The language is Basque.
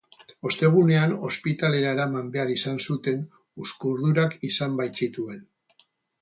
Ostegunean ospitalera eraman behar izan zuten uzkurdurak izan baitzituen.